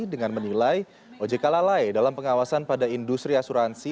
dengan menilai ojk lalai dalam pengawasan pada industri asuransi